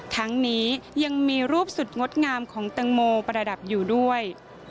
ทั้งนี้ยังมีรูปสุดงดงามของตังโมประดับอยู่ด้วย